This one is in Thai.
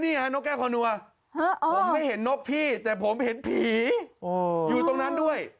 นกแก้วคอนัวผมไม่เห็นนกพี่แต่ผมเห็นผีอยู่ตรงนั้นด้วย